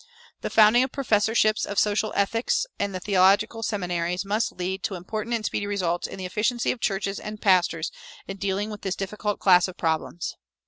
The founding of professorships of social ethics in the theological seminaries must lead to important and speedy results in the efficiency of churches and pastors in dealing with this difficult class of problems.